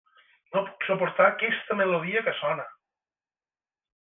No puc suportar aquesta melodia que sona.